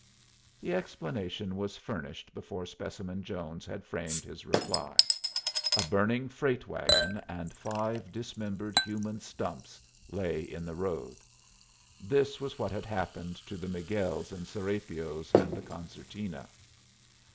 The explanation was furnished before Specimen Jones had framed his reply. A burning freight wagon and five dismembered human stumps lay in the road. This was what had happened to the Miguels and Serapios and the concertina.